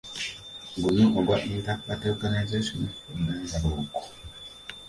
Guno ogwa Inter party Organisation for Dialogue